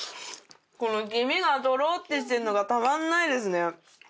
この黄身がトロッてしてるのがたまんないですね。